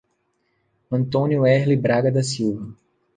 Antônio Herle Braga da Silva